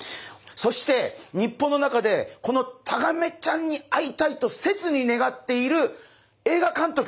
そして日本の中でこのタガメちゃんに会いたいと切に願っている映画監督。